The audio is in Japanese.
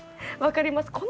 分かります。